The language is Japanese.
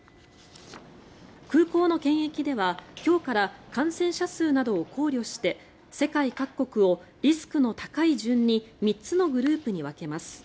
空港の検疫では今日から感染者数などを考慮して世界各国をリスクの高い順に３つのグループに分けます。